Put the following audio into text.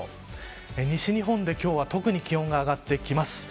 西日本で今日は特に気温が上がってきます。